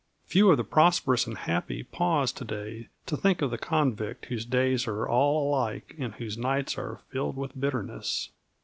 Few of the prosperous and happy pause to day to think of the convict whose days are all alike and whose nights are filled with bitterness.